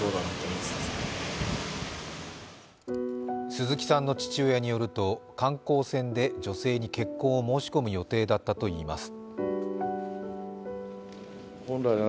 鈴木さんの父親によると観光船で女性に結婚を申し込む予定だったといいます。